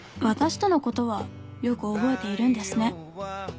私とのことはよく覚えているんですね